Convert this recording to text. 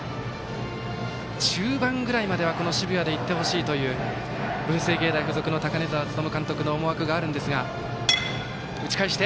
中盤ぐらいまでは、澁谷までいってほしいという文星芸大付属の高根澤力監督の思惑があるんですが。